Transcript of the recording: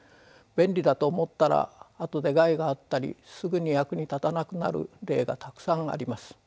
便利だと思ったらあとで害があったりすぐに役に立たなくなる例がたくさんあります。